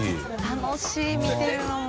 楽しい見てるのも。